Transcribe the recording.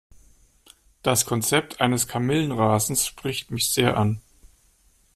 Das Konzept eines Kamillenrasens spricht mich sehr an.